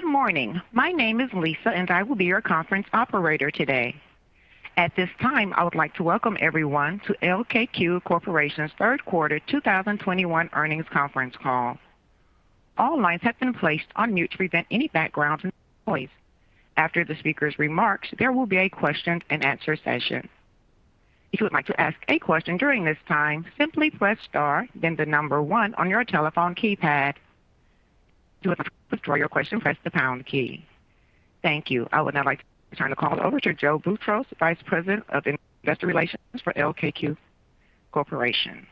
Good morning. My name is Lisa, and I will be your conference operator today. At this time, I would like to welcome everyone to LKQ Corporation's Q3 2021 earnings conference call. All lines have been placed on mute to prevent any background noise. After the speaker's remarks, there will be a question-and-answer session. If you would like to ask a question during this time, simply press star then the number one on your telephone keypad. If you want to withdraw your question, press the pound key. Thank you. I would now like to turn the call over to Joe Boutross, Vice President of Investor Relations for LKQ Corporation.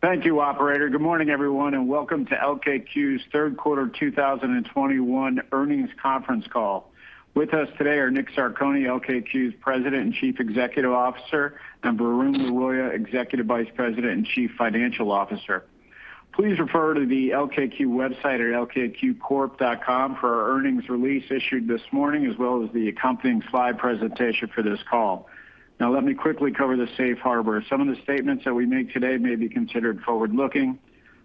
Thank you, operator. Good morning, everyone, and welcome to LKQ's Q3 2021 earnings conference call. With us today are Nick Zarcone, LKQ's President and Chief Executive Officer, and Varun Laroyia, Executive Vice President and Chief Financial Officer. Please refer to the LKQ website at lkqcorp.com for our earnings release issued this morning, as well as the accompanying slide presentation for this call. Now, let me quickly cover the safe harbor. Some of the statements that we make today may be considered forward-looking.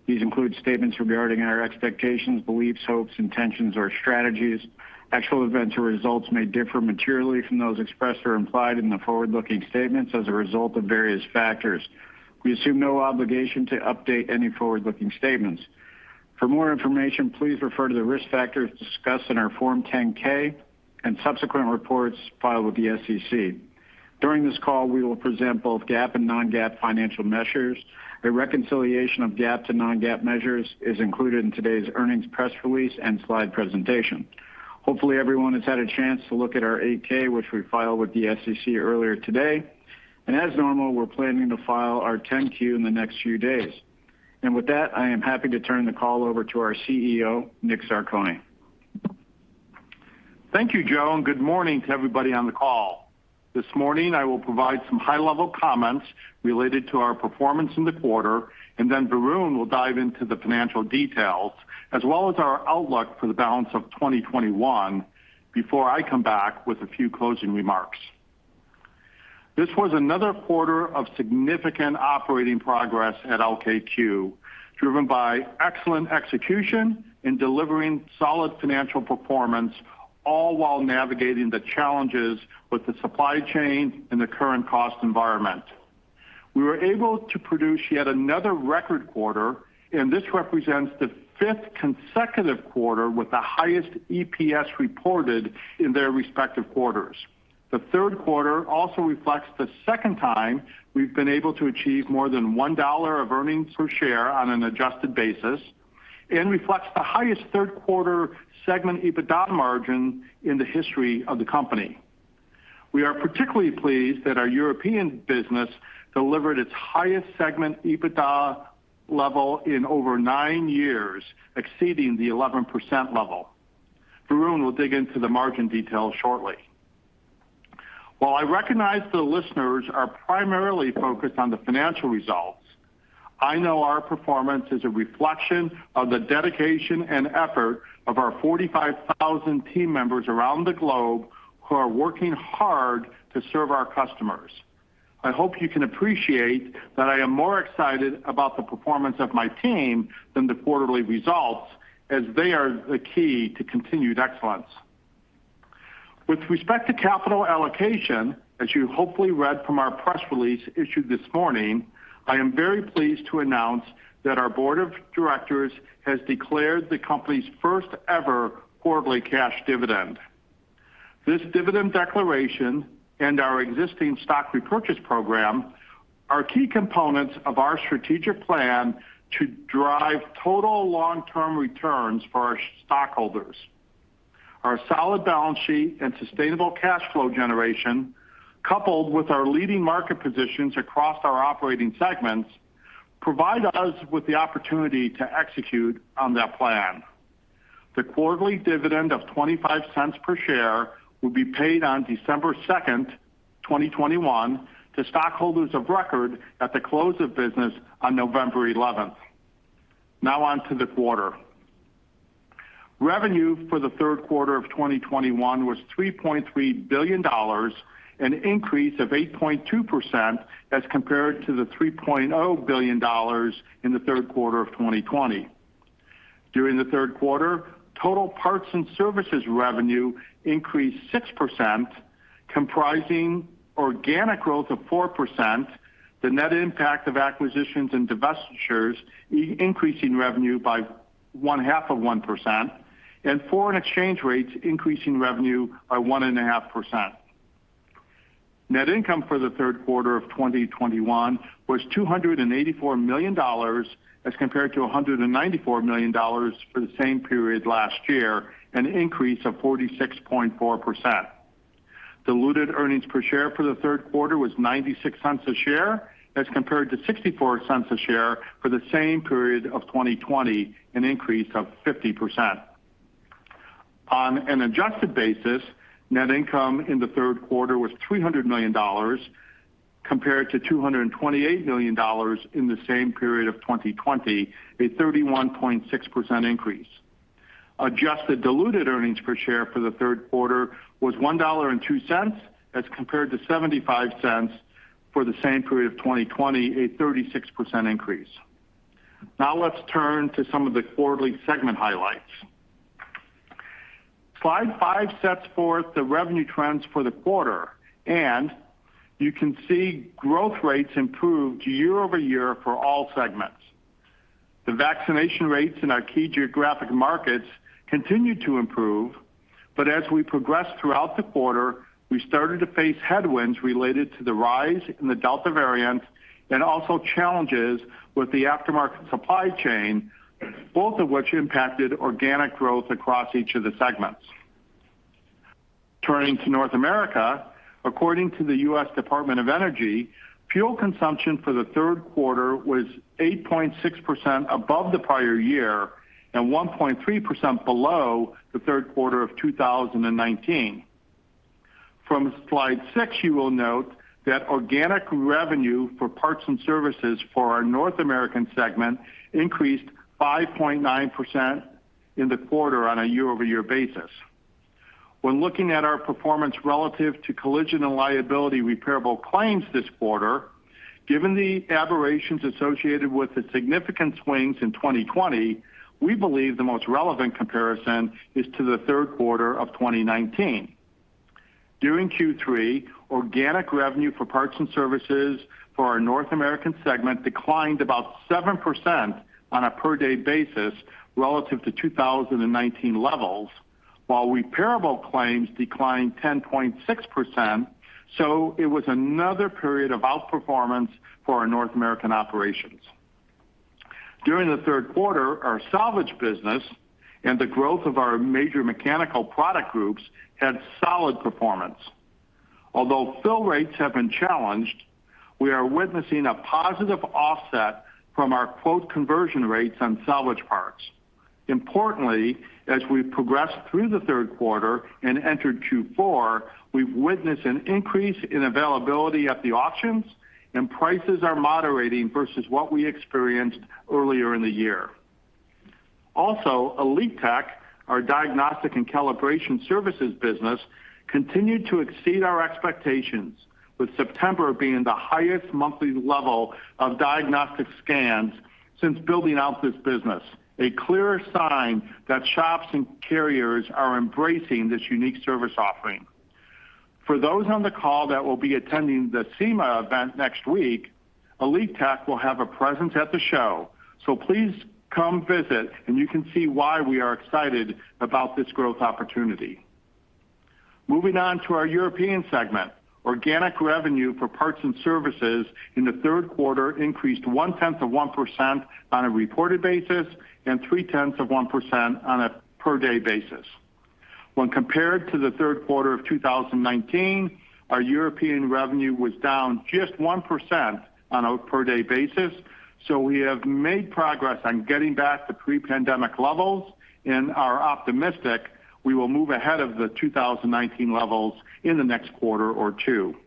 These include statements regarding our expectations, beliefs, hopes, intentions, or strategies. Actual events or results may differ materially from those expressed or implied in the forward-looking statements as a result of various factors. We assume no obligation to update any forward-looking statements. For more information, please refer to the risk factors discussed in our Form 10-K and subsequent reports filed with the SEC. During this call, we will present both GAAP and non-GAAP financial measures. A reconciliation of GAAP to non-GAAP measures is included in today's earnings press release and slide presentation. Hopefully, everyone has had a chance to look at our 8-K which we filed with the SEC earlier today. As normal, we're planning to file our 10-Q in the next few days. With that, I am happy to turn the call over to our CEO, Nick Zarcone. Thank you, Joe, and good morning to everybody on the call. This morning, I will provide some high-level comments related to our performance in the quarter, and then Varun will dive into the financial details as well as our outlook for the balance of 2021 before I come back with a few closing remarks. This was another quarter of significant operating progress at LKQ, driven by excellent execution in delivering solid financial performance, all while navigating the challenges with the supply chain in the current cost environment. We were able to produce yet another record quarter, and this represents the fifth consecutive quarter with the highest EPS reported in their respective quarters. The Q3 also reflects the second time we've been able to achieve more than $1 of earnings per share on an adjusted basis and reflects the highest Q3 segment EBITDA margin in the history of the company. We are particularly pleased that our European business delivered its highest segment EBITDA level in over nine years, exceeding the 11% level. Varun will dig into the margin details shortly. While I recognize the listeners are primarily focused on the financial results, I know our performance is a reflection of the dedication and effort of our 45,000 team members around the globe who are working hard to serve our customers. I hope you can appreciate that I am more excited about the performance of my team than the quarterly results as they are the key to continued excellence. With respect to capital allocation, as you hopefully read from our press release issued this morning, I am very pleased to announce that our board of directors has declared the company's first-ever quarterly cash dividend. This dividend declaration and our existing stock repurchase program are key components of our strategic plan to drive total long-term returns for our stockholders. Our solid balance sheet and sustainable cash flow generation, coupled with our leading market positions across our operating segments, provide us with the opportunity to execute on that plan. The quarterly dividend of $0.25 per share will be paid on December 2nd, 2021 to stockholders of record at the close of business on November 11th. Now on to the quarter. Revenue for the Q3 of 2021 was $3.3 billion, an increase of 8.2% as compared to the $3.0 billion in the Q3 of 2020. During the Q3, total parts and services revenue increased 6%, comprising organic growth of 4%, the net impact of acquisitions and divestitures increasing revenue by 0.5%, and foreign exchange rates increasing revenue by 1.5%. Net income for the Q3 of 2021 was $284 million as compared to $194 million for the same period last year, an increase of 46.4%. Diluted earnings per share for the Q3 was $0.96 a share as compared to $0.64 a share for the same period of 2020, an increase of 50%. On an adjusted basis, net income in the Q3 was $300 million compared to $228 million in the same period of 2020, a 31.6% increase. Adjusted diluted earnings per share for the Q3 was $1.02 as compared to $0.75 for the same period of 2020, a 36% increase. Now let's turn to some of the quarterly segment highlights. Slide five sets forth the revenue trends for the quarter. You can see growth rates improved year-over-year for all segments. The vaccination rates in our key geographic markets continued to improve. But as we progressed throughout the quarter, we started to face headwinds related to the rise in the Delta variant and also challenges with the aftermarket supply chain, both of which impacted organic growth across each of the segments. Turning to North America. According to the U.S. Department of Energy, fuel consumption for the Q3 was 8.6% above the prior year and 1.3% below the Q3 of 2019. From slide six, you will note that organic revenue for parts and services for our North American segment increased 5.9% in the quarter on a year-over-year basis. When looking at our performance relative to collision and liability repairable claims this quarter, given the aberrations associated with the significant swings in 2020, we believe the most relevant comparison is to the Q3 of 2019. During Q3, organic revenue for parts and services for our North American segment declined about 7% on a per-day basis relative to 2019 levels, while repairable claims declined 10.6%, so it was another period of outperformance for our North American operations. During the Q3, our salvage business and the growth of our major mechanical product groups had solid performance. Although fill rates have been challenged, we are witnessing a positive offset from our quote conversion rates on salvage parts. Importantly, as we progressed through the Q3 and entered Q4, we've witnessed an increase in availability at the auctions, and prices are moderating versus what we experienced earlier in the year. Elitek, our diagnostic and calibration services business, continued to exceed our expectations, with September being the highest monthly level of diagnostic scans since building out this business, a clear sign that shops and carriers are embracing this unique service offering. For those on the call that will be attending the SEMA event next week, Elitek will have a presence at the show. Please come visit, and you can see why we are excited about this growth opportunity. Moving on to our European segment. Organic revenue for parts and services in the Q3 increased 0.1% on a reported basis and 0.3% on a per-day basis. When compared to the Q3 of 2019, our European revenue was down just 1% on a per-day basis. We have made progress on getting back to pre-pandemic levels and are optimistic we will move ahead of the 2019 levels in the next quarter or two.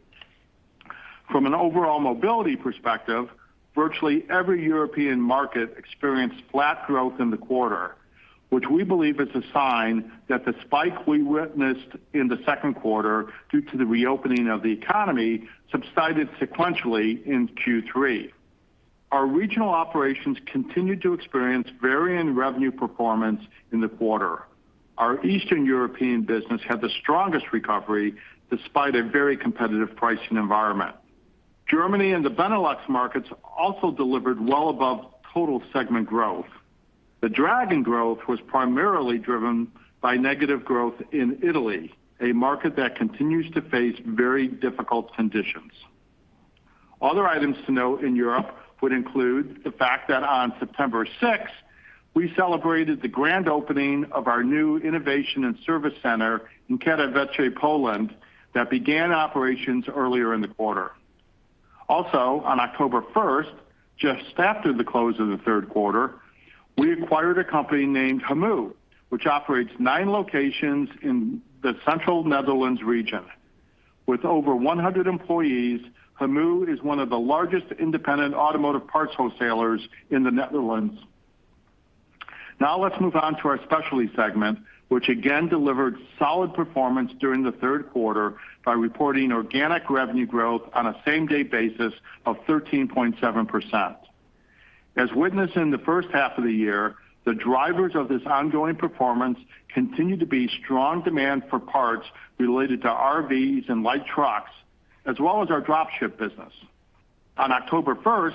From an overall mobility perspective, virtually every European market experienced flat growth in the quarter, which we believe is a sign that the spike we witnessed in the Q2 due to the reopening of the economy subsided sequentially in Q3. Our regional operations continued to experience varying revenue performance in the quarter. Our Eastern European business had the strongest recovery despite a very competitive pricing environment. Germany and the Benelux markets also delivered well above total segment growth. The drag in growth was primarily driven by negative growth in Italy, a market that continues to face very difficult conditions. Other items to note in Europe would include the fact that on September 6, we celebrated the grand opening of our new innovation and service center in Katowice, Poland, that began operations earlier in the quarter. On October 1st, just after the close of the Q3, we acquired a company named HAMU, which operates nine locations in the Central Netherlands region. With over 100 employees, HAMU is one of the largest independent automotive parts wholesalers in the Netherlands. Now let's move on to our specialty segment, which again delivered solid performance during the Q3 by reporting organic revenue growth on a same-day basis of 13.7%. As witnessed in the first half of the year, the drivers of this ongoing performance continue to be strong demand for parts related to RVs and light trucks, as well as our drop ship business. On October 1st,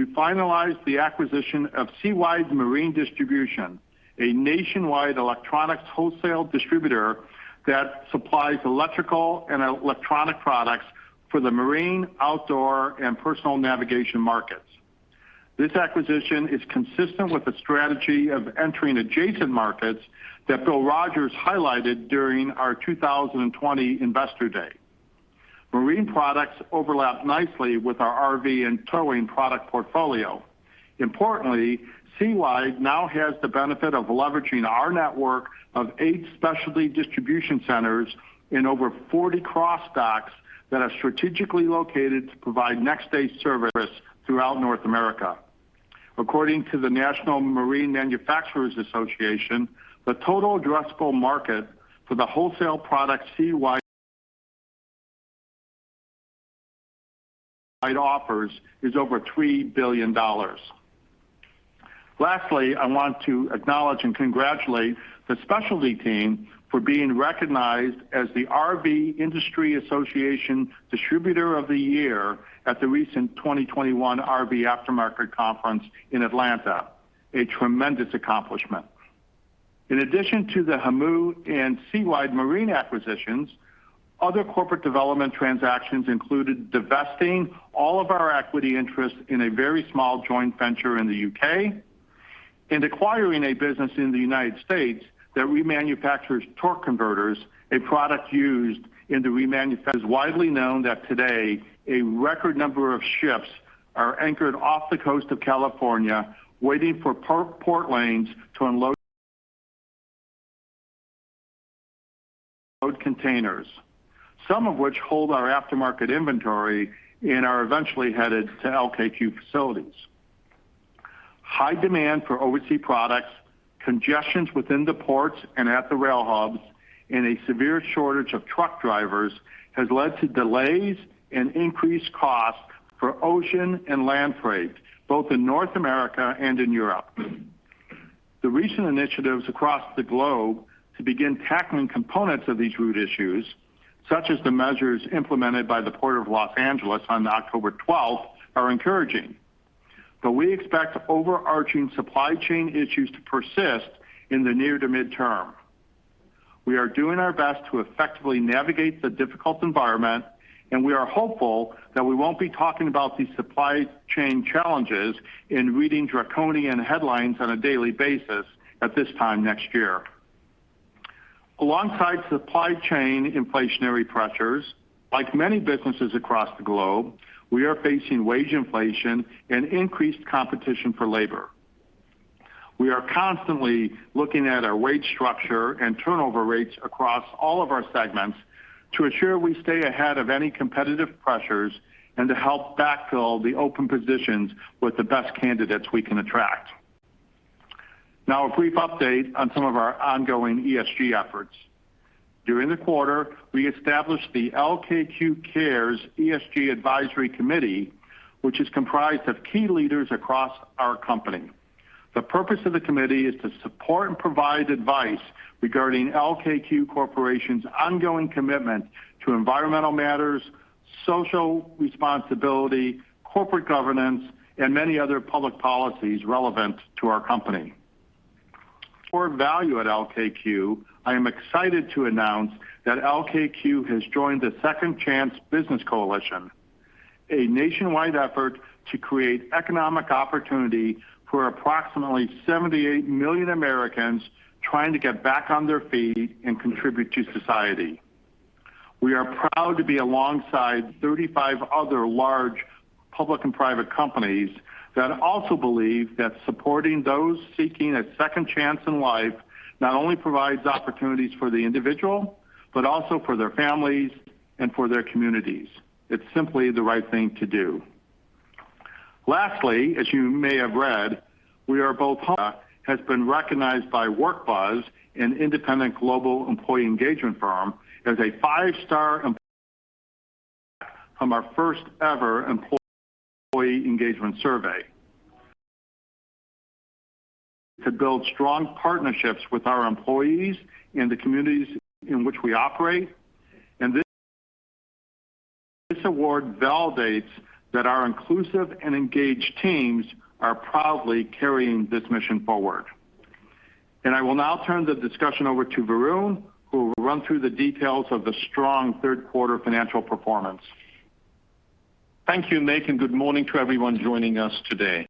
we finalized the acquisition of SeaWide Marine Distribution, a nationwide electronics wholesale distributor that supplies electrical and electronic products for the marine, outdoor, and personal navigation markets. This acquisition is consistent with the strategy of entering adjacent markets that Bill Rogers highlighted during our 2020 Investor Day. Marine products overlap nicely with our RV and towing product portfolio. Importantly, SeaWide now has the benefit of leveraging our network of eight specialty distribution centers in over 40 cross docks that are strategically located to provide next-day service throughout North America. According to the National Marine Manufacturers Association, the total addressable market for the wholesale products SeaWide it offers is over $3 billion. Lastly, I want to acknowledge and congratulate the specialty team for being recognized as the RV Industry Association Distributor of the Year at the recent 2021 RV Aftermarket Conference in Atlanta. A tremendous accomplishment. In addition to the HAMU and SeaWide Marine acquisitions, other corporate development transactions included divesting all of our equity interest in a very small joint venture in the U.K. and acquiring a business in the United States that remanufactures torque converters. It is widely known that today a record number of ships are anchored off the coast of California waiting for port lanes to unload containers, some of which hold our aftermarket inventory and are eventually headed to LKQ facilities. High demand for OE products, congestion within the ports and at the rail hubs, and a severe shortage of truck drivers has led to delays and increased costs for ocean and land freight, both in North America and in Europe. The recent initiatives across the globe to begin tackling components of these root issues, such as the measures implemented by the Port of Los Angeles on October 12th are encouraging. We expect overarching supply chain issues to persist in the near to mid-term. We are doing our best to effectively navigate the difficult environment, and we are hopeful that we won't be talking about these supply chain challenges and reading draconian headlines on a daily basis at this time next year. Alongside supply chain inflationary pressures, like many businesses across the globe, we are facing wage inflation and increased competition for labor. We are constantly looking at our wage structure and turnover rates across all of our segments to ensure we stay ahead of any competitive pressures and to help backfill the open positions with the best candidates we can attract. Now a brief update on some of our ongoing ESG efforts. During the quarter, we established the LKQ Cares ESG Advisory Committee, which is comprised of key leaders across our company. The purpose of the committee is to support and provide advice regarding LKQ Corporation's ongoing commitment to environmental matters, social responsibility, corporate governance, and many other public policies relevant to our company. For value at LKQ, I am excited to announce that LKQ has joined the Second Chance Business Coalition, a nationwide effort to create economic opportunity for approximately 78 million Americans trying to get back on their feet and contribute to society. We are proud to be alongside 35 other large public and private companies that also believe that supporting those seeking a second chance in life not only provides opportunities for the individual, but also for their families and for their communities. It's simply the right thing to do. Lastly, as you may have read, we have been recognized by WorkBuzz, an independent global employee engagement firm, as a five-star employer from our first ever employee engagement survey to build strong partnerships with our employees in the communities in which we operate. This award validates that our inclusive and engaged teams are proudly carrying this mission forward. I will now turn the discussion over to Varun, who will run through the details of the strong Q3 financial performance. Thank you, Nick, and good morning to everyone joining us today.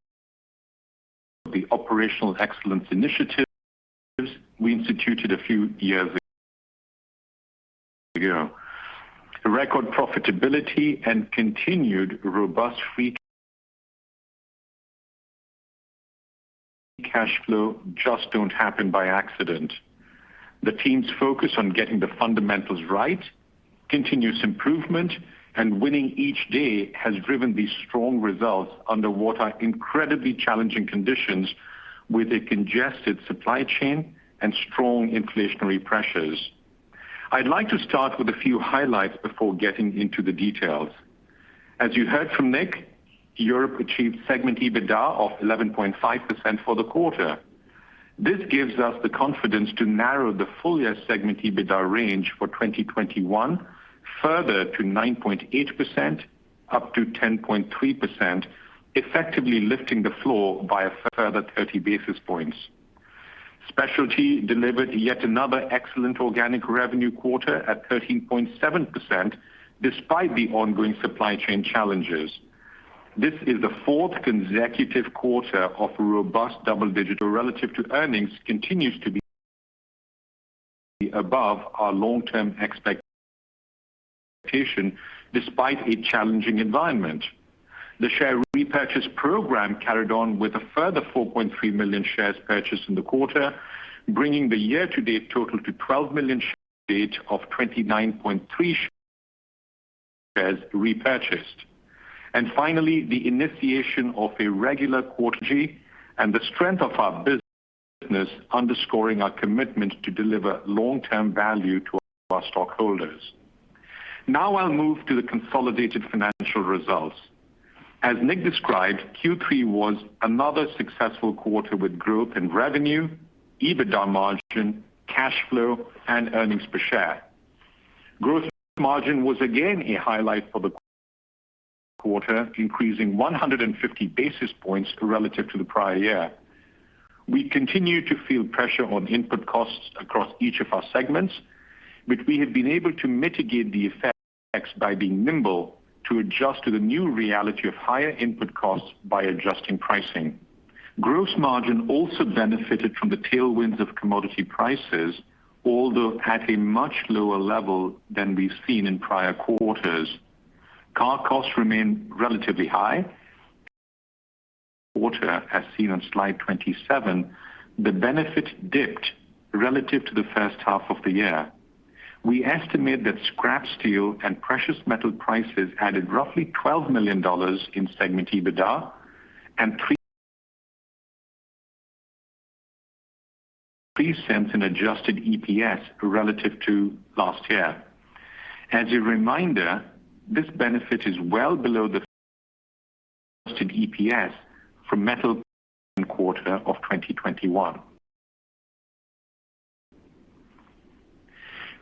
The operational excellence initiatives we instituted a few years ago. Record profitability and continued robust free cash flow just don't happen by accident. The team's focus on getting the fundamentals right, continuous improvement, and winning each day has driven these strong results under what are incredibly challenging conditions with a congested supply chain and strong inflationary pressures. I'd like to start with a few highlights before getting into the details. As you heard from Nick, Europe achieved segment EBITDA of 11.5% for the quarter. This gives us the confidence to narrow the full year segment EBITDA range for 2021 further to 9.8%-10.3%, effectively lifting the floor by a further 30 basis points. Specialty delivered yet another excellent organic revenue quarter at 13.7% despite the ongoing supply chain challenges. This is the fourth consecutive quarter of robust double-digit growth relative to earnings, which continues to be above our long-term expectation despite a challenging environment. The share repurchase program carried on with a further 4.3 million shares purchased in the quarter, bringing the year-to-date total to 12 million shares, or 2.93% of shares repurchased. Finally, the initiation of a regular quarterly dividend and the strength of our business underscoring our commitment to deliver long-term value to our stockholders. Now I'll move to the consolidated financial results. As Nick described, Q3 was another successful quarter with growth in revenue, EBITDA margin, cash flow, and earnings per share. Gross margin was again a highlight for the quarter, increasing 150 basis points relative to the prior year. We continue to feel pressure on input costs across each of our segments, but we have been able to mitigate the effects by being nimble to adjust to the new reality of higher input costs by adjusting pricing. Gross margin also benefited from the tailwinds of commodity prices, although at a much lower level than we've seen in prior quarters. Core costs remain relatively high. As seen on slide 27, the benefit dipped relative to the first half of the year. We estimate that scrap steel and precious metal prices added roughly $12 million in segment EBITDA and $0.03 in adjusted EPS relative to last year. As a reminder, this benefit is well below the adjusted EPS for the Q4 of 2021.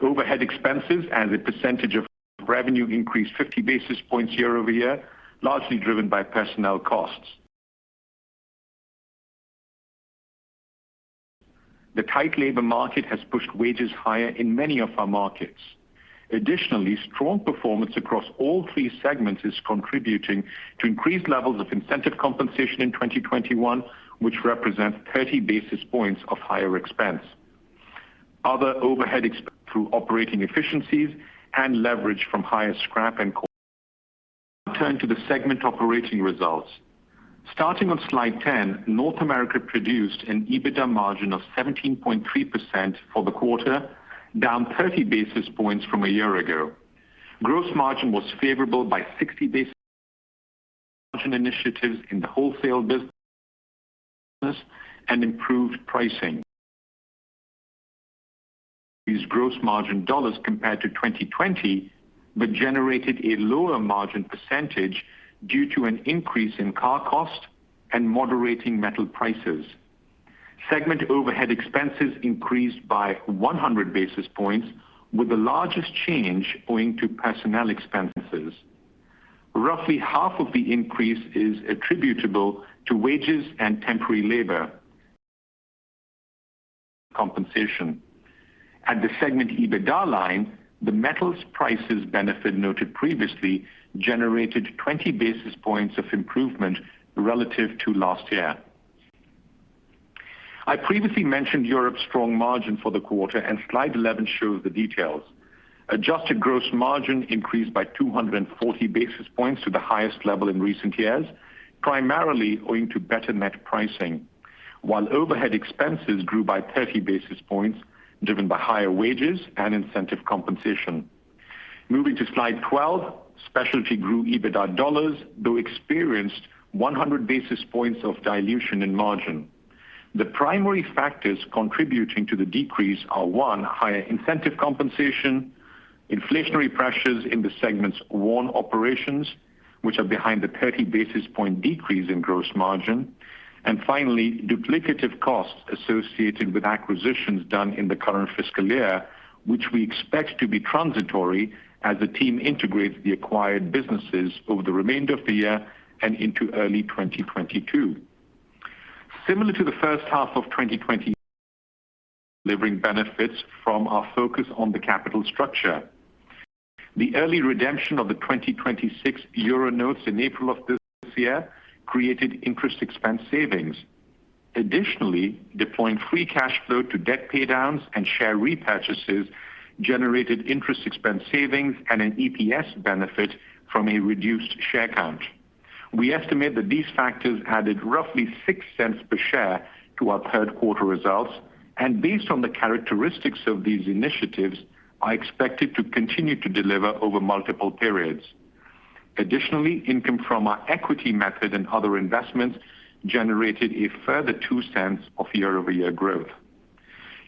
Overhead expenses as a percentage of revenue increased 50 basis points year-over-year, largely driven by personnel costs. The tight labor market has pushed wages higher in many of our markets. Additionally, strong performance across all three segments is contributing to increased levels of incentive compensation in 2021, which represents 30 basis points of higher expense. Other overhead through operating efficiencies and leverage from higher scrap. Turn to the segment operating results. Starting on slide 10, North America produced an EBITDA margin of 17.3% for the quarter, down 30 basis points from a year ago. Gross margin was favorable by 60 basis points. Initiatives in the wholesale business and improved pricing. These gross margin dollars compared to 2020 but generated a lower margin percentage due to an increase in core cost and moderating metal prices. Segment overhead expenses increased by 100 basis points, with the largest change owing to personnel expenses. Roughly half of the increase is attributable to wages and temporary labor compensation. At the segment EBITDA line, the metals prices benefit noted previously generated 20 basis points of improvement relative to last year. I previously mentioned Europe's strong margin for the quarter and slide 11 shows the details. Adjusted gross margin increased by 240 basis points to the highest level in recent years, primarily owing to better net pricing. While overhead expenses grew by 30 basis points given by higher wages and incentive compensation. Moving to slide 12, Specialty grew EBITDA dollars, though experienced 100 basis points of dilution in margin. The primary factors contributing to the decrease are, one, higher incentive compensation, inflationary pressures in the segment's worn operations, which are behind the 30 basis point decrease in gross margin. Finally, duplicative costs associated with acquisitions done in the current fiscal year, which we expect to be transitory as the team integrates the acquired businesses over the remainder of the year and into early 2022. Similar to the first half of 2020, delivering benefits from our focus on the capital structure. The early redemption of the 2026 euro notes in April of this year created interest expense savings. Additionally, deploying free cash flow to debt pay downs and share repurchases generated interest expense savings and an EPS benefit from a reduced share count. We estimate that these factors added roughly $0.06 per share to our Q3 results, and based on the characteristics of these initiatives, are expected to continue to deliver over multiple periods. Additionally, income from our equity method and other investments generated a further $0.02 of year-over-year growth.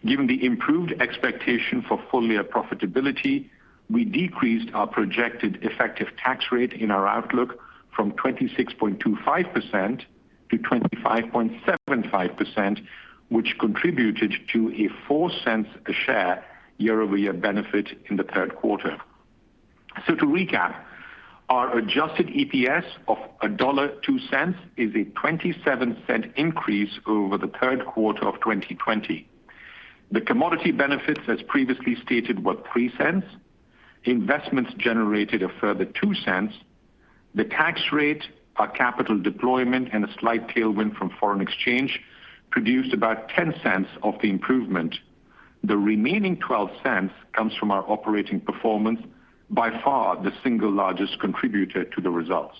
Given the improved expectation for full-year profitability, we decreased our projected effective tax rate in our outlook from 26.25%-25.75%, which contributed to a $0.04 a share year-over-year benefit in the Q3. To recap, our adjusted EPS of $1.02 is a $0.27 increase over the Q3 of 2020. The commodity benefits, as previously stated, were $0.03. Investments generated a further $0.02. The tax rate, our capital deployment, and a slight tailwind from foreign exchange produced about $0.10 of the improvement. The remaining $0.12 comes from our operating performance, by far the single largest contributor to the results.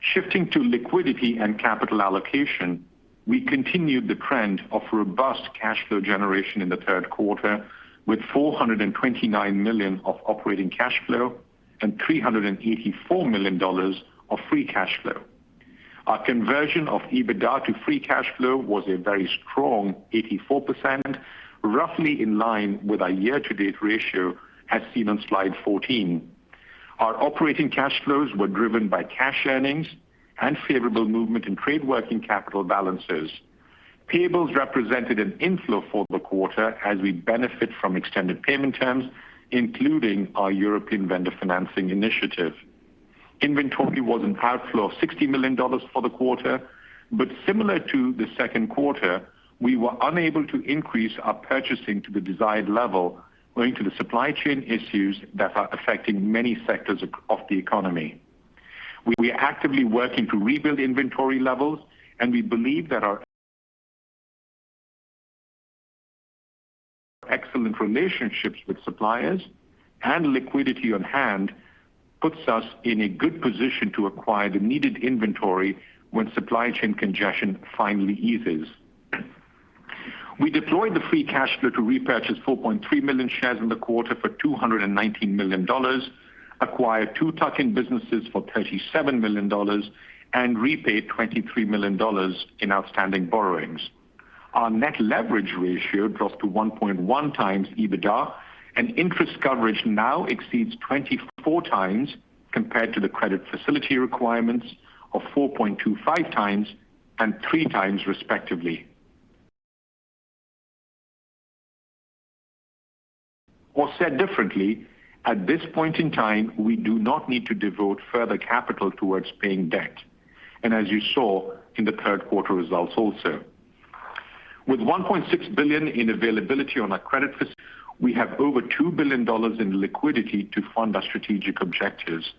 Shifting to liquidity and capital allocation, we continued the trend of robust cash flow generation in the Q3 with $429 million of operating cash flow and $384 million of free cash flow. Our conversion of EBITDA to free cash flow was a very strong 84%, roughly in line with our year-to-date ratio as seen on slide 14. Our operating cash flows were driven by cash earnings and favorable movement in trade working capital balances. Payables represented an inflow for the quarter as we benefit from extended payment terms, including our European Vendor Financing Initiative. Inventory was an outflow of $60 million for the quarter, but similar to the Q2, we were unable to increase our purchasing to the desired level owing to the supply chain issues that are affecting many sectors of the economy. We are actively working to rebuild inventory levels, and we believe that our excellent relationships with suppliers and liquidity on hand puts us in a good position to acquire the needed inventory when supply chain congestion finally eases. We deployed the free cash flow to repurchase 4.3 million shares in the quarter for $219 million, acquired two tuck-in businesses for $37 million, and repaid $23 million in outstanding borrowings. Our net leverage ratio dropped to 1.1 times EBITDA, and interest coverage now exceeds 24 times compared to the credit facility requirements of 4.25 times and 3 times, respectively. Said differently, at this point in time, we do not need to devote further capital towards paying debt, and as you saw in the Q3 results also. With $1.6 billion in availability on our credit facility, we have over $2 billion in liquidity to fund our strategic objectives.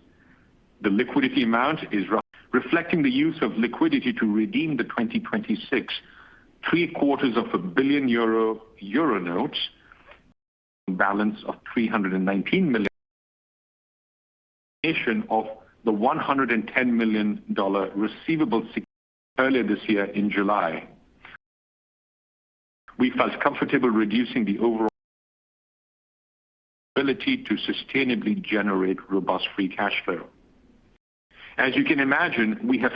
The liquidity amount is reflecting the use of liquidity to redeem the 2026 three quarters of a billion euro, euro notes balance of EUR 319 million of the $110 million receivable secured earlier this year in July. We felt comfortable with our ability to sustainably generate robust free cash flow. As you can imagine, we have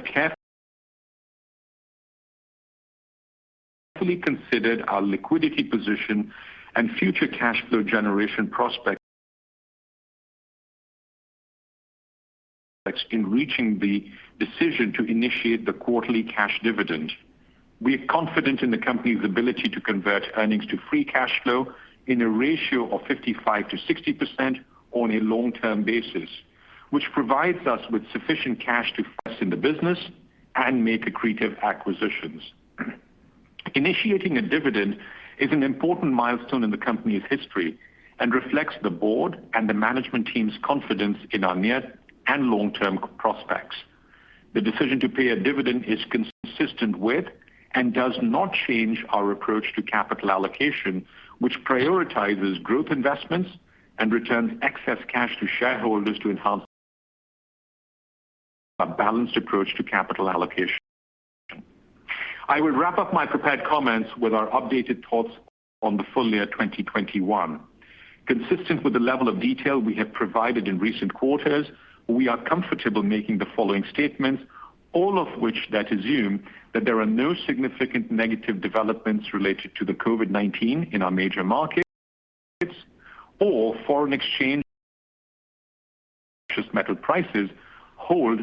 considered our liquidity position and future cash flow generation prospects in reaching the decision to initiate the quarterly cash dividend. We are confident in the company's ability to convert earnings to free cash flow in a ratio of 55%-60% on a long-term basis, which provides us with sufficient cash to invest in the business and make accretive acquisitions. Initiating a dividend is an important milestone in the company's history and reflects the board and the management team's confidence in our near and long-term prospects. The decision to pay a dividend is consistent with and does not change our approach to capital allocation, which prioritizes growth investments and returns excess cash to shareholders to enhance a balanced approach to capital allocation. I will wrap up my prepared comments with our updated thoughts on the full year 2021. Consistent with the level of detail we have provided in recent quarters, we are comfortable making the following statements, all of which assume that there are no significant negative developments related to the COVID-19 in our major markets or foreign exchange and precious metal prices hold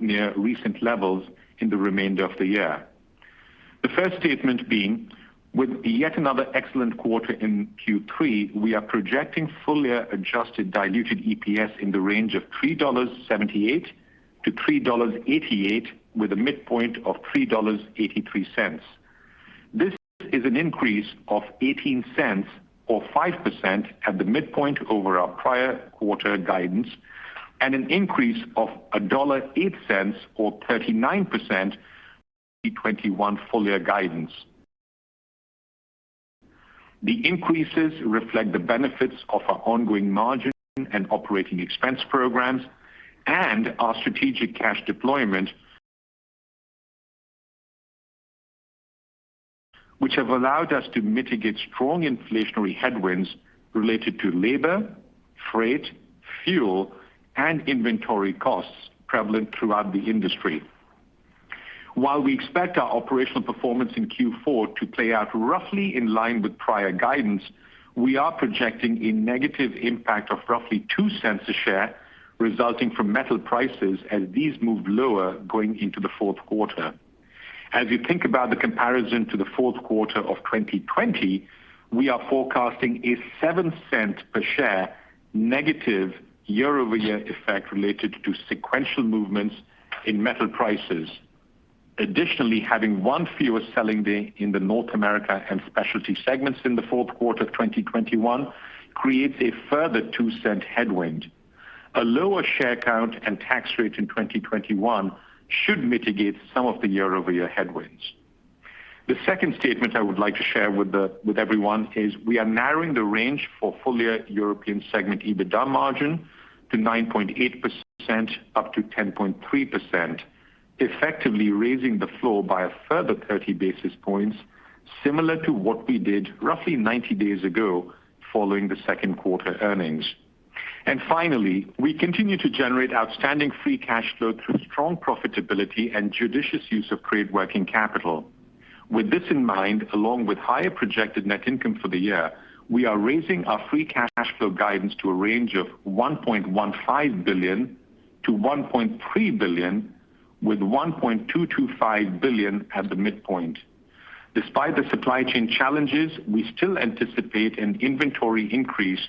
near recent levels in the remainder of the year. The first statement being, with yet another excellent quarter in Q3, we are projecting full year adjusted diluted EPS in the range of $3.78-$3.88, with a midpoint of $3.83. This is an increase of $0.18 or 5% at the midpoint over our prior quarter guidance and an increase of $1.08 or 39% 2021 full year guidance. The increases reflect the benefits of our ongoing margin and operating expense programs and our strategic cash deployment. Which have allowed us to mitigate strong inflationary headwinds related to labor, freight, fuel, and inventory costs prevalent throughout the industry. While we expect our operational performance in Q4 to play out roughly in line with prior guidance, we are projecting a negative impact of roughly $0.02 per share resulting from metal prices as these move lower going into the Q4. As you think about the comparison to the Q4 of 2020, we are forecasting a $0.07 per share negative year-over-year effect related to sequential movements in metal prices. Additionally, having one fewer selling day in the North America and Specialty segments in the Q4 of 2021 creates a further $0.02 headwind. A lower share count and tax rate in 2021 should mitigate some of the year-over-year headwinds. The second statement I would like to share with everyone is we are narrowing the range for full-year European segment EBITDA margin to 9.8%-10.3%, effectively raising the floor by a further 30 basis points, similar to what we did roughly 90 days ago following the Q2 earnings. Finally, we continue to generate outstanding free cash flow through strong profitability and judicious use of current working capital. With this in mind, along with higher projected net income for the year, we are raising our free cash flow guidance to a range of $1.15 billion-$1.3 billion with $1.225 billion at the midpoint. Despite the supply chain challenges, we still anticipate an inventory increase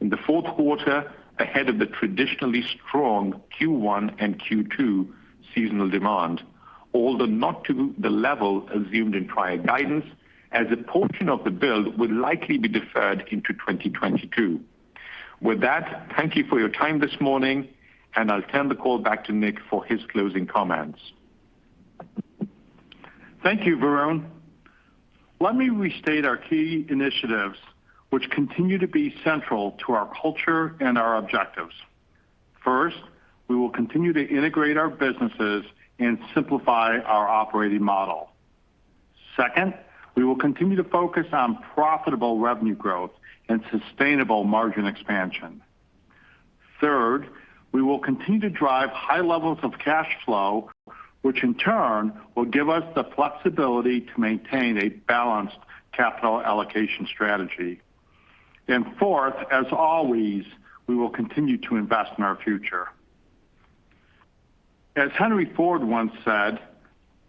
in the Q4 ahead of the traditionally strong Q1 and Q2 seasonal demand, although not to the level assumed in prior guidance, as a portion of the build will likely be deferred into 2022. With that, thank you for your time this morning, and I'll turn the call back to Nick for his closing comments. Thank you, Varun. Let me restate our key initiatives which continue to be central to our culture and our objectives. First, we will continue to integrate our businesses and simplify our operating model. Second, we will continue to focus on profitable revenue growth and sustainable margin expansion. Third, we will continue to drive high levels of cash flow, which in turn will give us the flexibility to maintain a balanced capital allocation strategy. Fourth, as always, we will continue to invest in our future. As Henry Ford once said,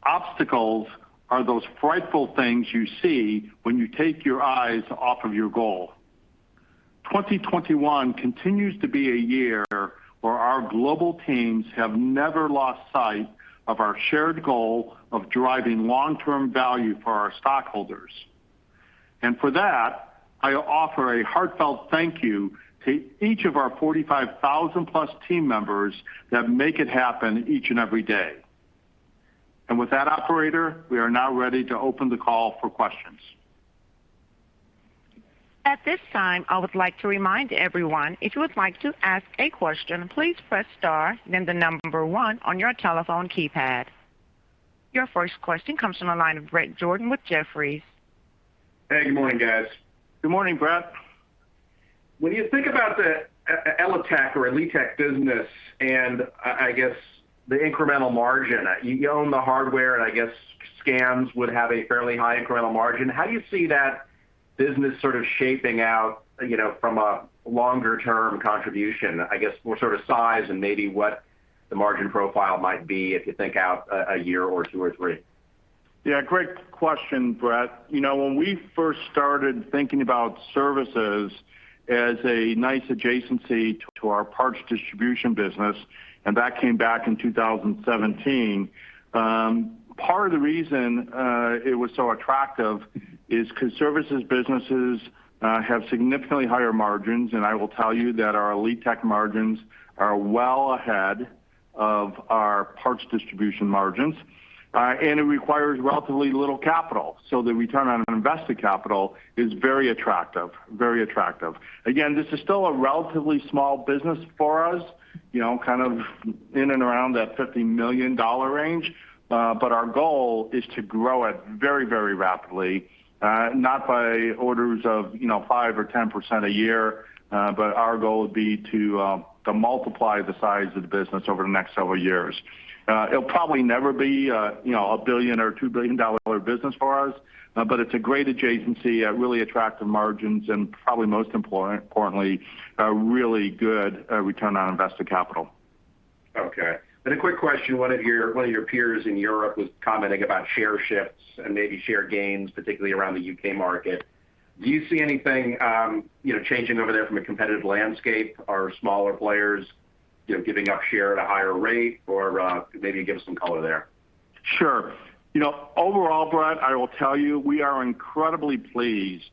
"Obstacles are those frightful things you see when you take your eyes off of your goal." 2021 continues to be a year where our global teams have never lost sight of our shared goal of driving long-term value for our stockholders. For that, I offer a heartfelt thank you to each of our 45,000+ team members that make it happen each and every day. With that operator, we are now ready to open the call for questions. At this time, I would like to remind everyone, if you would like to ask a question, please press star then the number one on your telephone keypad. Your first question comes from the line of Bret Jordan with Jefferies. Hey, good morning, guys. Good morning, Bret. When you think about the Elitek business and I guess the incremental margin, you own the hardware, and I guess scans would have a fairly high incremental margin. How do you see that business sort of shaping out, you know, from a longer term contribution? I guess more sort of size and maybe what the margin profile might be if you think out a year or two or three. Yeah, great question, Brett. You know, when we first started thinking about services as a nice adjacency to our parts distribution business, and that back in 2017, part of the reason it was so attractive is 'cause services businesses have significantly higher margins, and I will tell you that our Elitek margins are well ahead of our parts distribution margins, and it requires relatively little capital. The return on invested capital is very attractive. Very attractive. Again, this is still a relatively small business for us, you know, kind of in and around that $50 million range, but our goal is to grow it very, very rapidly, not by orders of, you know, 5% or 10% a year, but our goal would be to multiply the size of the business over the next several years. It’ll probably never be a, you know, a $1 billion or $2 billion business for us, but it’s a great adjacency at really attractive margins and probably most important, importantly, a really good return on invested capital. Okay. A quick question. One of your peers in Europe was commenting about share shifts and maybe share gains, particularly around the U.K. market. Do you see anything, you know, changing over there from a competitive landscape? Are smaller players, you know, giving up share at a higher rate or, maybe give us some color there? Sure. You know, overall, Brett, I will tell you, we are incredibly pleased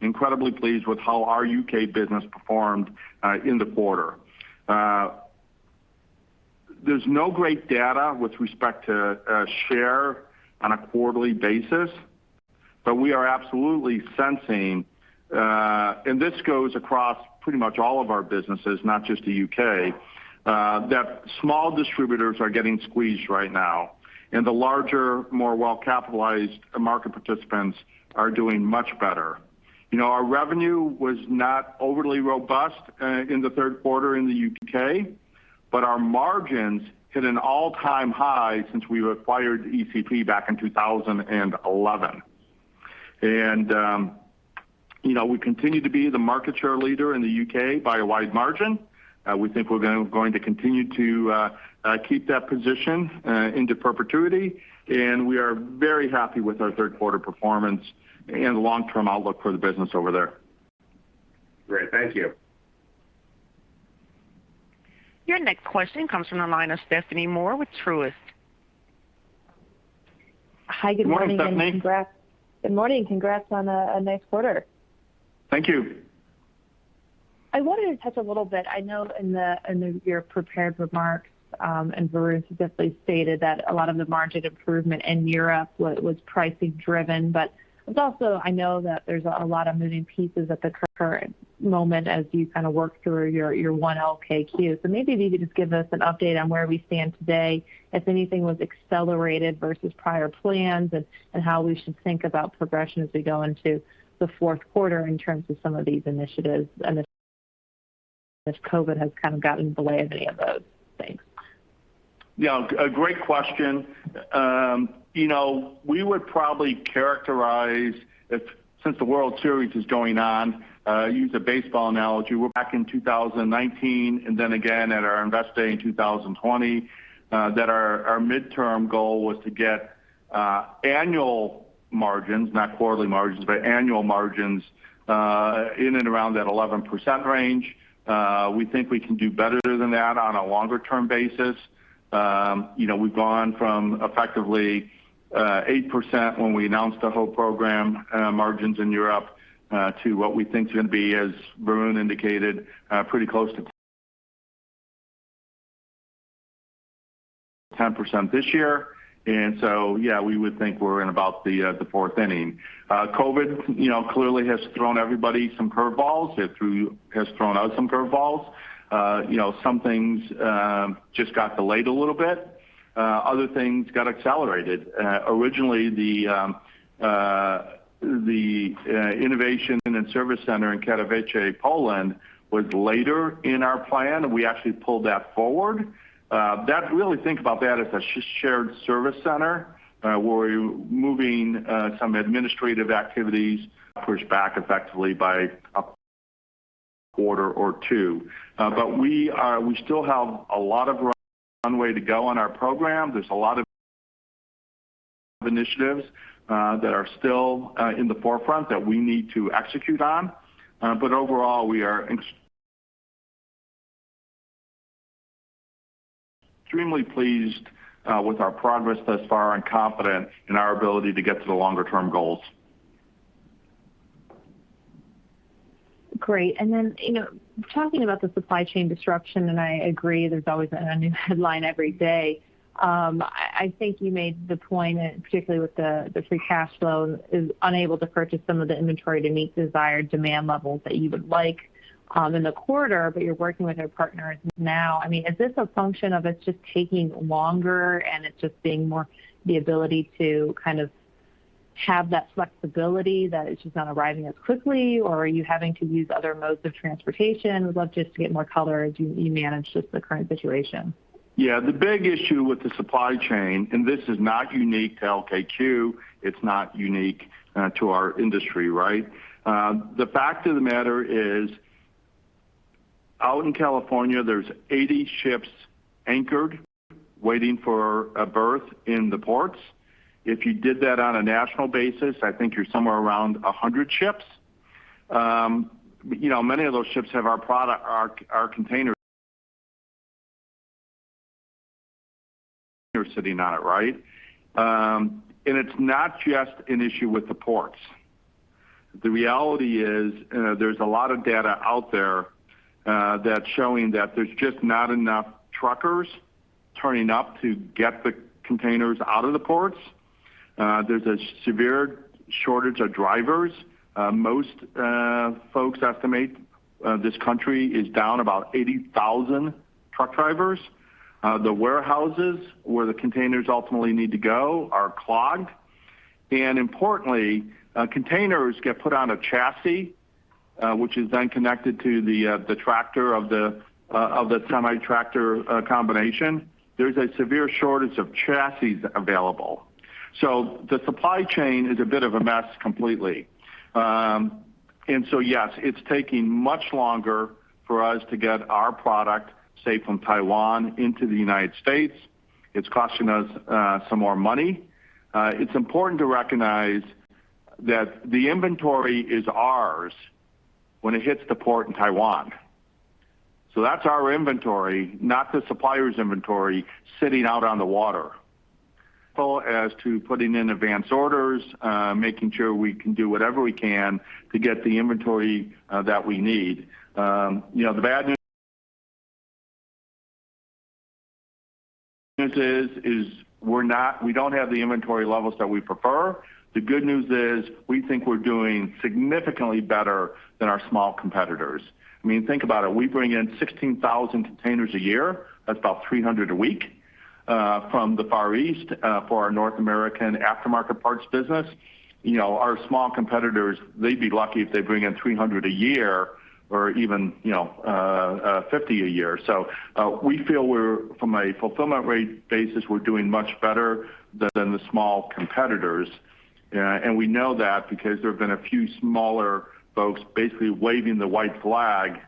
with how our U.K. business performed in the quarter. There's no great data with respect to share on a quarterly basis, but we are absolutely sensing, and this goes across pretty much all of our businesses, not just the U.K., that small distributors are getting squeezed right now, and the larger, more well-capitalized market participants are doing much better. You know, our revenue was not overly robust in the Q3 in the U.K., but our margins hit an all-time high since we acquired ECP back in 2011. You know, we continue to be the market share leader in the U.K. by a wide margin. We think we're going to continue to keep that position into perpetuity, and we are very happy with our Q3 performance and long-term outlook for the business over there. Great. Thank you. Your next question comes from the line of Stephanie Moore with Truist. Morning, Stephanie. Hi, good morning and congrats. Good morning. Congrats on a nice quarter. Thank you. I wanted to touch a little bit. I know in your prepared remarks, and Varun specifically stated that a lot of the margin improvement in Europe was pricing driven. But it's also, I know that there's a lot of moving pieces at the current moment as you kind of work through your 1LKQ. So maybe if you could just give us an update on where we stand today, if anything was accelerated versus prior plans and how we should think about progression as we go into the Q4 in terms of some of these initiatives and if COVID has kind of gotten in the way of any of those things. Yeah. A great question. You know, we would probably characterize since the World Series is going on, use a baseball analogy. We're back in 2019 and then again at our Investor Day in 2020, that our midterm goal was to get annual margins, not quarterly margins, but annual margins in and around that 11% range. We think we can do better than that on a longer term basis. You know, we've gone from effectively 8% when we announced the whole program, margins in Europe, to what we think is gonna be, as Varun indicated, pretty close to 10% this year. Yeah, we would think we're in about the fourth inning. COVID, you know, clearly has thrown everybody some curveballs. It has thrown out some curveballs. You know, some things just got delayed a little bit. Other things got accelerated. Originally, the innovation and then service center in Katowice, Poland, was later in our plan, and we actually pulled that forward. Really think about that as a shared service center, where we're moving some administrative activities pushed back effectively by a quarter or two. We still have a lot of runway to go on our program. There's a lot of initiatives that are still in the forefront that we need to execute on. Overall, we are extremely pleased with our progress thus far and confident in our ability to get to the longer term goals. Great. You know, talking about the supply chain disruption, and I agree there's always a new headline every day. I think you made the point, particularly with the free cash flow is unable to purchase some of the inventory to meet desired demand levels that you would like in the quarter, but you're working with your partners now. I mean, is this a function of it's just taking longer and it's just being more the ability to kind of have that flexibility that it's just not arriving as quickly, or are you having to use other modes of transportation? Would love just to get more color as you manage just the current situation. Yeah. The big issue with the supply chain, and this is not unique to LKQ, it's not unique to our industry, right? The fact of the matter is, out in California, there's 80 ships anchored waiting for a berth in the ports. If you did that on a national basis, I think you're somewhere around 100 ships. You know, many of those ships have our product, our containers sitting on it, right? It's not just an issue with the ports. The reality is, you know, there's a lot of data out there that's showing that there's just not enough truckers turning up to get the containers out of the ports. There's a severe shortage of drivers. Most folks estimate this country is down about 80,000 truck drivers. The warehouses where the containers ultimately need to go are clogged. Importantly, containers get put on a chassis, which is then connected to the tractor of the semi-tractor combination. There's a severe shortage of chassis available. The supply chain is a bit of a mess completely. Yes, it's taking much longer for us to get our product, say, from Taiwan into the United States. It's costing us some more money. It's important to recognize that the inventory is ours when it hits the port in Taiwan. That's our inventory, not the supplier's inventory sitting out on the water. As to putting in advance orders, making sure we can do whatever we can to get the inventory that we need. You know, the bad news is we don't have the inventory levels that we prefer. The good news is we think we're doing significantly better than our small competitors. I mean, think about it. We bring in 16,000 containers a year, that's about 300 a week, from the Far East, for our North American aftermarket parts business. You know, our small competitors, they'd be lucky if they bring in 300 a year or even, you know, 50 a year. We feel we're from a fulfillment rate basis, we're doing much better than the small competitors. We know that because there have been a few smaller folks basically waving the white flag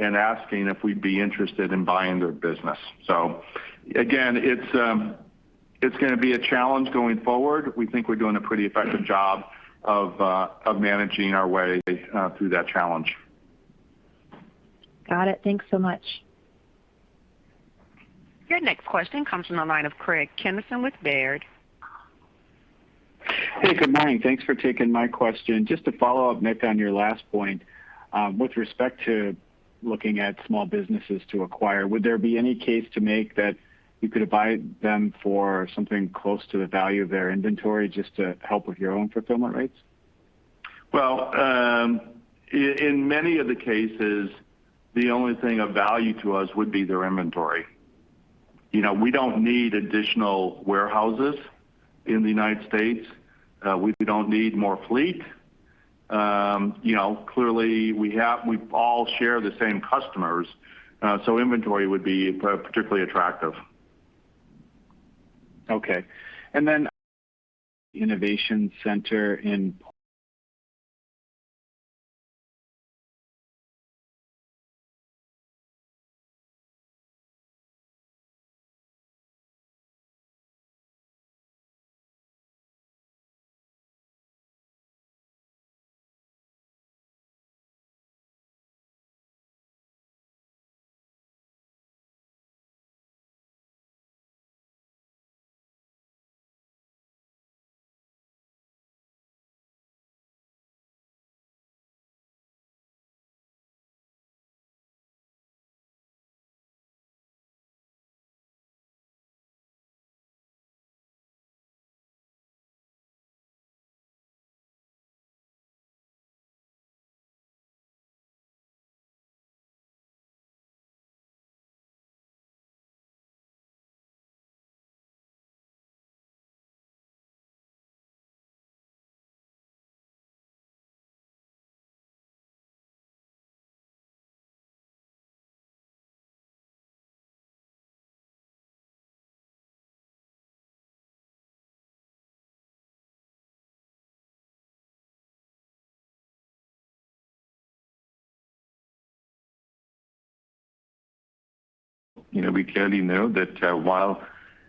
and asking if we'd be interested in buying their business. Again, it's gonna be a challenge going forward. We think we're doing a pretty effective job of managing our way through that challenge. Got it. Thanks so much. Your next question comes from the line of Craig Kennison with Baird. Hey, good morning. Thanks for taking my question. Just to follow up, Nick, on your last point, with respect to looking at small businesses to acquire, would there be any case to make that you could buy them for something close to the value of their inventory just to help with your own fulfillment rates? Well, in many of the cases, the only thing of value to us would be their inventory. You know, we don't need additional warehouses in the United States. We don't need more fleet. You know, clearly we all share the same customers, so inventory would be particularly attractive. Okay. Innovation Center. You know, we clearly know that while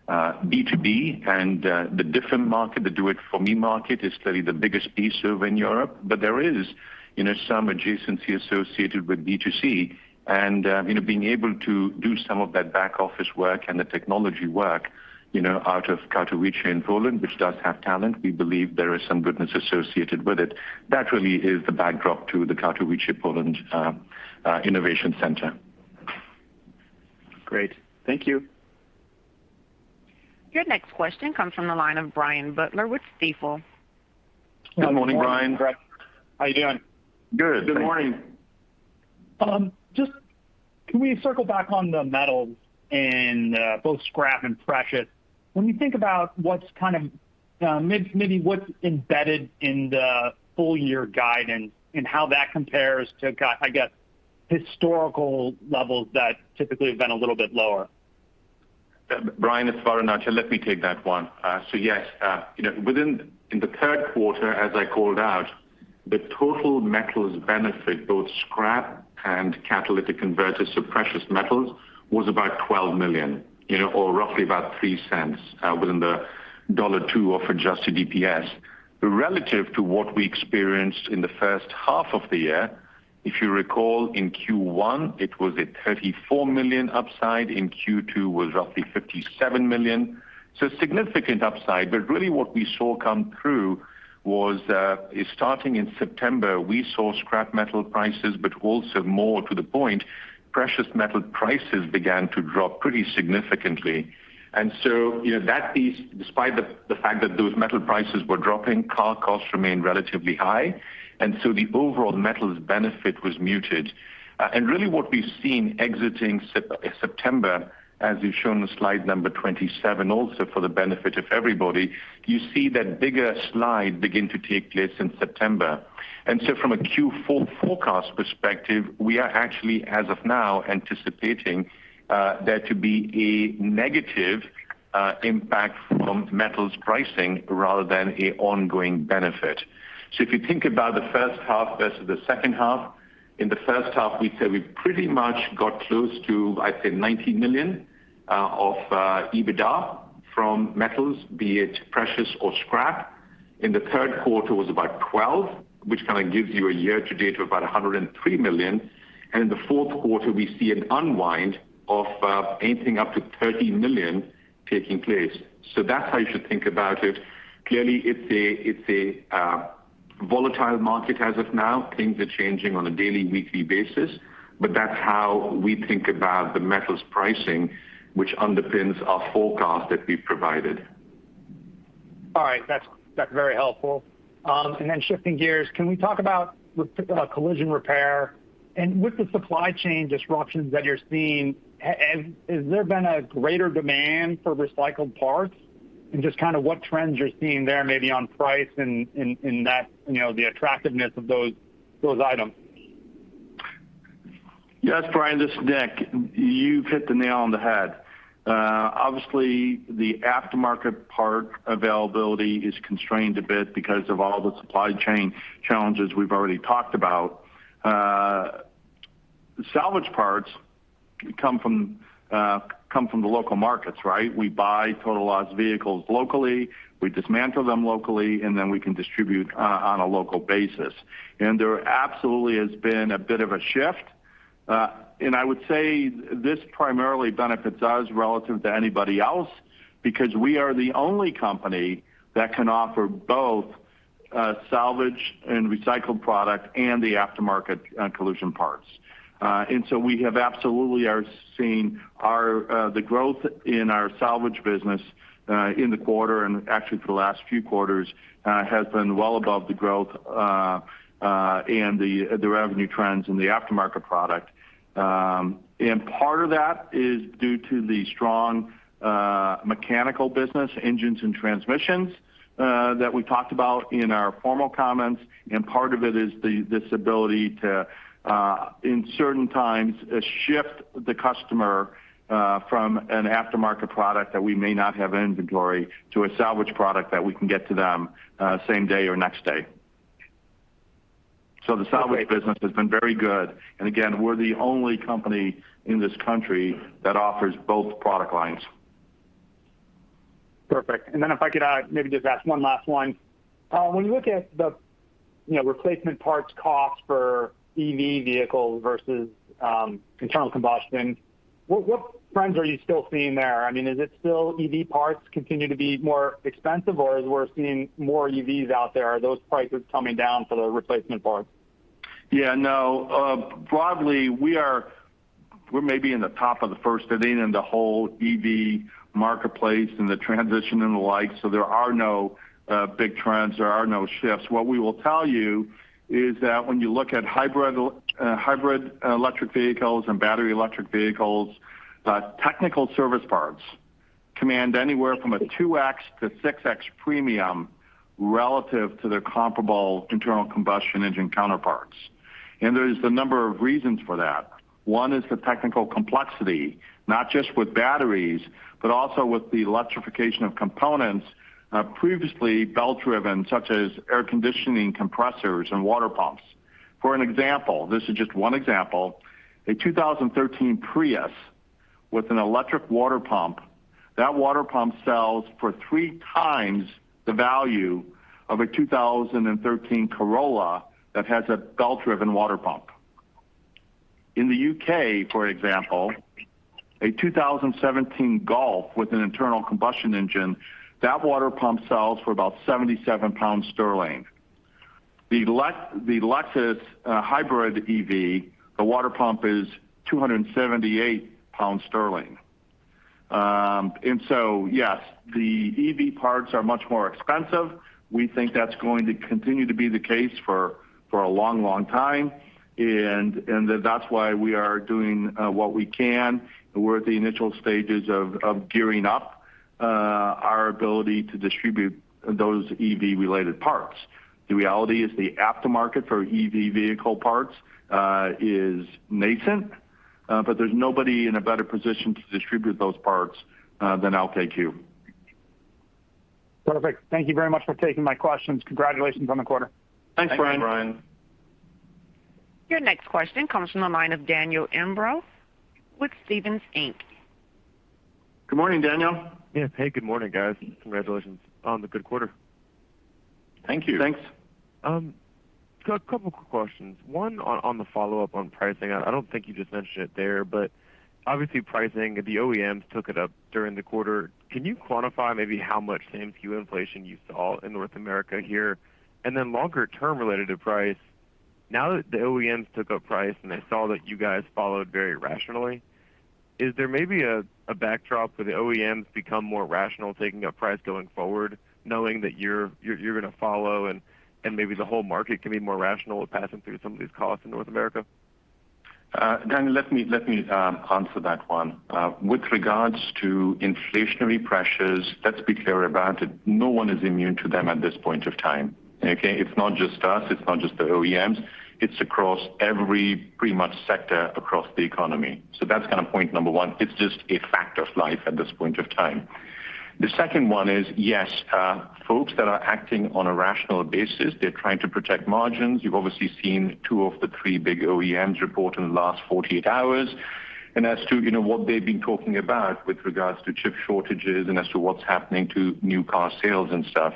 B2B and the different market, the do it for me market is clearly the biggest piece in Europe, but there is, you know, some adjacency associated with B2C. You know, being able to do some of that back-office work and the technology work, you know, out of Katowice in Poland, which does have talent. We believe there is some goodness associated with it. That really is the backdrop to the Katowice, Poland Innovation Center. Great. Thank you. Your next question comes from the line of Brian Butler with Stifel. Good morning, Brian. How you doing? Good. Thank you. Good morning. Just, can we circle back on the metals in both scrap and precious? When you think about what's kind of maybe what's embedded in the full year guidance and how that compares to, I guess, historical levels that typically have been a little bit lower. Brian, it's Varun Laroyia. Let me take that one. So yes. You know, within the Q3, as I called out, the total metals benefit, both scrap and catalytic converters, so precious metals, was about $12 million, you know, or roughly about $0.3, within the $1.02 of adjusted EPS. Relative to what we experienced in the first half of the year, if you recall in Q1, it was a $34 million upside. In Q2, it was roughly $57 million. Significant upside. But really what we saw come through was, starting in September, we saw scrap metal prices, but also more to the point, precious metal prices began to drop pretty significantly. You know, that piece, despite the fact that those metal prices were dropping, car costs remained relatively high, and the overall metals benefit was muted. Really what we've seen exiting September, as we've shown in slide number 27 also for the benefit of everybody, you see that bigger slide begin to take place in September. From a Q4 forecast perspective, we are actually, as of now, anticipating there to be a negative impact from metals pricing rather than an ongoing benefit. If you think about the first half versus the second half, in the first half, we said we pretty much got close to, I'd say, $90 million of EBITDA from metals, be it precious or scrap. In the Q3 was about $12 million, which kind of gives you a year-to-date of about $103 million. In the Q4, we see an unwind of anything up to $30 million taking place. That's how you should think about it. Clearly, it's a volatile market as of now. Things are changing on a daily, weekly basis, but that's how we think about the metals pricing, which underpins our forecast that we've provided. All right. That's very helpful. Then shifting gears, can we talk about collision repair? With the supply chain disruptions that you're seeing, has there been a greater demand for recycled parts? Just kind of what trends you're seeing there maybe on price and that, you know, the attractiveness of those items. Yes, Brian, this is Nick Zarcone. You've hit the nail on the head. Obviously the aftermarket part availability is constrained a bit because of all the supply chain challenges we've already talked about. Salvage parts come from the local markets, right? We buy total-loss vehicles locally, we dismantle them locally, and then we can distribute on a local basis. There absolutely has been a bit of a shift I would say this primarily benefits us relative to anybody else because we are the only company that can offer both salvage and recycled product and the aftermarket collision parts. We are absolutely seeing the growth in our salvage business in the quarter and actually for the last few quarters has been well above the growth and the revenue trends in the aftermarket product. Part of that is due to the strong mechanical business engines and transmissions that we talked about in our formal comments, and part of it is this ability to, in certain times, shift the customer from an aftermarket product that we may not have in inventory to a salvage product that we can get to them same day or next day. The salvage business. Okay. has been very good. Again, we're the only company in this country that offers both product lines. Perfect. If I could, maybe just ask one last one. When you look at the, you know, replacement parts cost for EV vehicle versus internal combustion, what trends are you still seeing there? I mean, is it still EV parts continue to be more expensive, or as we're seeing more EVs out there, are those prices coming down for the replacement parts? Yeah, no. Broadly, we're maybe in the top of the first inning in the whole EV marketplace and the transition and the like, so there are no big trends, there are no shifts. What we will tell you is that when you look at hybrid electric vehicles and battery electric vehicles, technical service parts command anywhere from a 2x-6x premium relative to their comparable internal combustion engine counterparts. There's the number of reasons for that. One is the technical complexity, not just with batteries, but also with the electrification of components previously belt-driven, such as air conditioning compressors and water pumps. For example, this is just one example, a 2013 Prius with an electric water pump, that water pump sells for 3 times the value of a 2013 Corolla that has a belt-driven water pump. In the U.K., for example, a 2017 Golf with an internal combustion engine, that water pump sells for about 77 pounds. The Lexus hybrid EV, the water pump is 278 pounds. Yes, the EV parts are much more expensive. We think that's going to continue to be the case for a long time. That's why we are doing what we can. We're at the initial stages of gearing up our ability to distribute those EV-related parts. The reality is the aftermarket for EV vehicle parts is nascent, but there's nobody in a better position to distribute those parts than LKQ. Perfect. Thank you very much for taking my questions. Congratulations on the quarter. Thanks, Brian. Thank you, Brian. Your next question comes from the line of Daniel Imbro with Stephens Inc. Good morning, Daniel. Yeah. Hey, good morning, guys. Congratulations on the good quarter. Thank you. Thanks. Got a couple quick questions. One on the follow-up on pricing. I don't think you just mentioned it there, but obviously pricing, the OEMs took it up during the quarter. Can you quantify maybe how much same-store inflation you saw in North America here? Longer term related to price, now that the OEMs took up price and I saw that you guys followed very rationally, is there maybe a backdrop for the OEMs to become more rational taking up price going forward, knowing that you're gonna follow and maybe the whole market can be more rational with passing through some of these costs in North America? Daniel, let me answer that one. With regards to inflationary pressures, let's be clear about it, no one is immune to them at this point of time. Okay. It's not just us, it's not just the OEMs, it's across every pretty much sector across the economy. That's kind of point number one. It's just a fact of life at this point of time. The second one is, yes, folks that are acting on a rational basis, they're trying to protect margins. You've obviously seen two of the three big OEMs report in the last 48 hours. As to, you know, what they've been talking about with regards to chip shortages and as to what's happening to new car sales and stuff.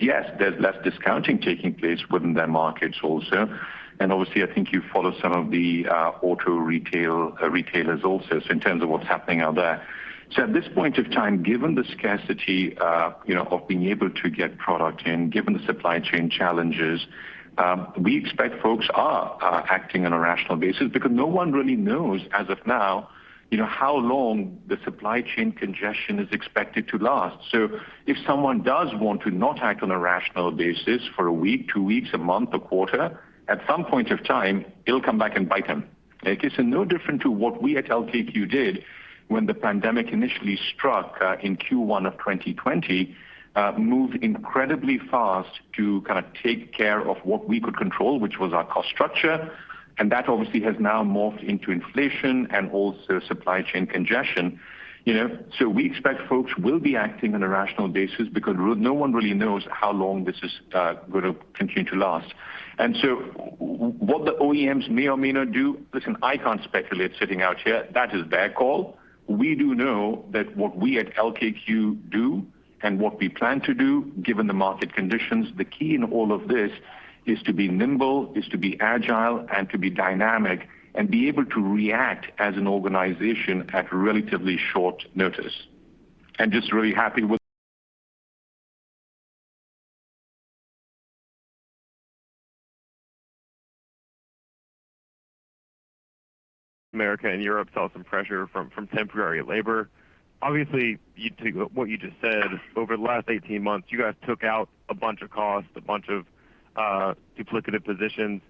Yes, there's less discounting taking place within their markets also. Obviously, I think you follow some of the auto retail retailers also in terms of what's happening out there. At this point of time, given the scarcity, you know, of being able to get product in, given the supply chain challenges, we expect folks are acting on a rational basis because no one really knows as of now, you know, how long the supply chain congestion is expected to last. If someone does want to not act on a rational basis for a week, two weeks, a month, a quarter, at some point of time, it'll come back and bite them. Okay. It's no different to what we at LKQ did when the pandemic initially struck in Q1 of 2020, moved incredibly fast to kind of take care of what we could control, which was our cost structure. That obviously has now morphed into inflation and also supply chain congestion. You know? We expect folks will be acting on a rational basis because no one really knows how long this is gonna continue to last. What the OEMs may or may not do, listen, I can't speculate sitting out here. That is their call. We do know that what we at LKQ do What we plan to do, given the market conditions, the key in all of this is to be nimble, agile, and dynamic, and be able to react as an organization at relatively short notice. I'm just really happy with- America and Europe saw some pressure from temporary labor. Obviously, you take what you just said, over the last 18 months, you guys took out a bunch of costs, a bunch of duplicative positions.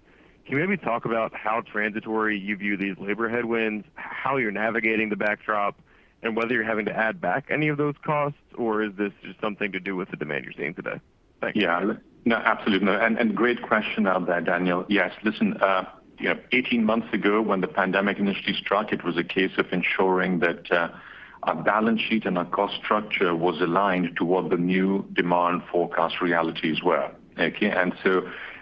Can you maybe talk about how transitory you view these labor headwinds, how you're navigating the backdrop, and whether you're having to add back any of those costs, or is this just something to do with the demand you're seeing today? Thanks. Yeah. No, absolutely. And great question on that, Daniel. Yes. Listen, you know, 18 months ago, when the pandemic initially struck, it was a case of ensuring that our balance sheet and our cost structure was aligned to what the new demand forecast realities were. Okay.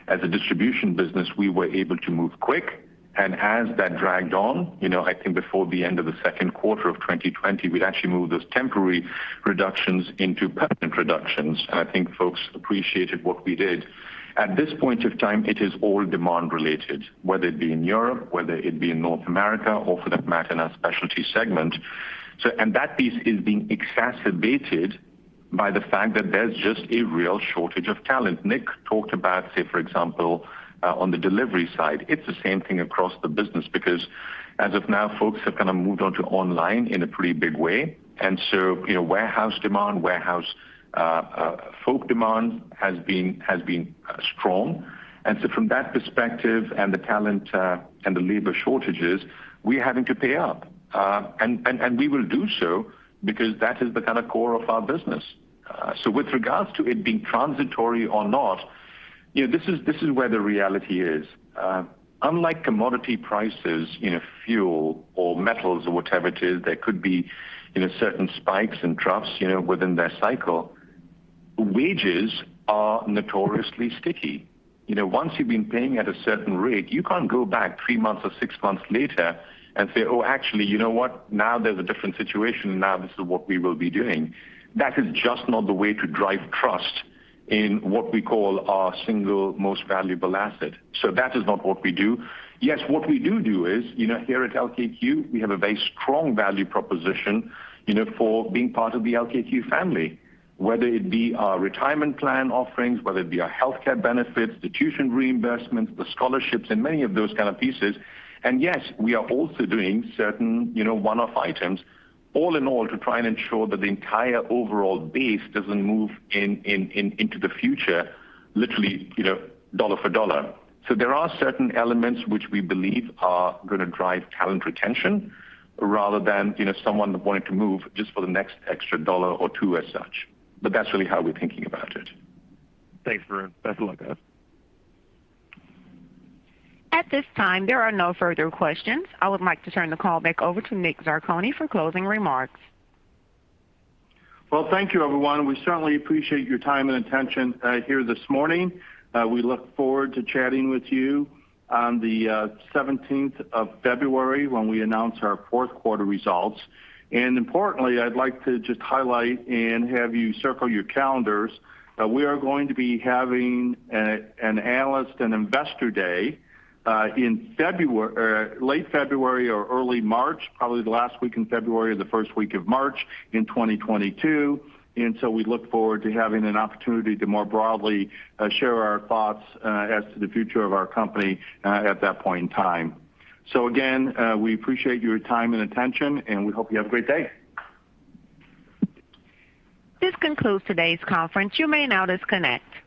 As a distribution business, we were able to move quick. As that dragged on, you know, I think before the end of the Q2 of 2020, we'd actually moved those temporary reductions into permanent reductions. I think folks appreciated what we did. At this point of time, it is all demand related, whether it be in Europe, whether it be in North America or for that matter, in our specialty segment. That piece is being exacerbated by the fact that there's just a real shortage of talent. Nick talked about, say, for example, on the delivery side, it's the same thing across the business because as of now, folks have kinda moved on to online in a pretty big way. You know, warehouse folks demand has been strong. From that perspective and the talent and the labor shortages, we're having to pay up. We will do so because that is the kinda core of our business. With regards to it being transitory or not, you know, this is where the reality is. Unlike commodity prices in fuel or metals or whatever it is, there could be, you know, certain spikes and troughs, you know, within their cycle. Wages are notoriously sticky. You know, once you've been paying at a certain rate, you can't go back three months or six months later and say, "Oh, actually, you know what? Now there's a different situation. Now this is what we will be doing." That is just not the way to drive trust in what we call our single most valuable asset. That is not what we do. Yes, what we do is, you know, here at LKQ, we have a very strong value proposition, you know, for being part of the LKQ family, whether it be our retirement plan offerings, whether it be our healthcare benefits, the tuition reimbursements, the scholarships, and many of those kind of pieces. Yes, we are also doing certain, you know, one-off items all in all to try and ensure that the entire overall base doesn't move into the future, literally, you know, dollar for dollar. There are certain elements which we believe are gonna drive talent retention rather than, you know, someone wanting to move just for the next extra dollar or two as such. That's really how we're thinking about it. Thanks for that, Varun Laroyia. At this time, there are no further questions. I would like to turn the call back over to Nick Zarcone for closing remarks. Well, thank you everyone. We certainly appreciate your time and attention here this morning. We look forward to chatting with you on the seventeenth of February when we announce our Q4 results. Importantly, I'd like to just highlight and have you circle your calendars. We are going to be having an analyst and investor day in late February or early March, probably the last week in February or the first week of March in 2022. We look forward to having an opportunity to more broadly share our thoughts as to the future of our company at that point in time. Again, we appreciate your time and attention, and we hope you have a great day. This concludes today's conference. You may now disconnect.